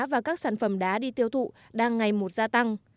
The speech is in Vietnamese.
và các sản phẩm đá đi tiêu thụ đang ngày một gia tăng